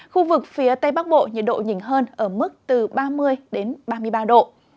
khu vực phía tây bắc bộ nhiệt độ nhìn hơn ở mức từ ba mươi đến ba mươi ba độ